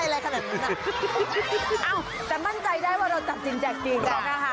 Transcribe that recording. อ้าวแต่มั่นใจได้ว่าเราจับจริงจับจริง